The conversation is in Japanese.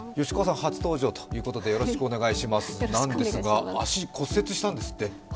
吉川さん、初登場ということでよろしくお願いしますなんですが足、骨折したんですって？